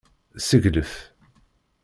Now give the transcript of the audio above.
Seglef.